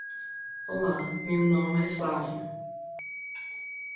Olá, meu nome é Flavio